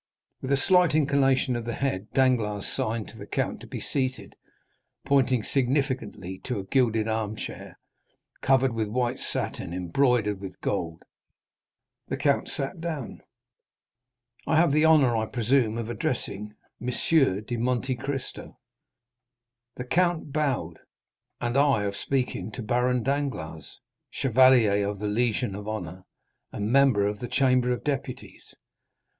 With a slight inclination of the head, Danglars signed to the count to be seated, pointing significantly to a gilded armchair, covered with white satin embroidered with gold. The count sat down. 20335m "I have the honor, I presume, of addressing M. de Monte Cristo." The count bowed. "And I of speaking to Baron Danglars, chevalier of the Legion of Honor, and member of the Chamber of Deputies?"